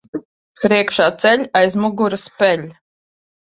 Priekšā ceļ, aiz muguras peļ.